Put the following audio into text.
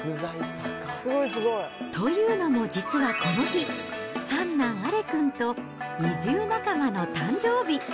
というのも実はこの日、三男、アレ君と移住仲間の誕生日。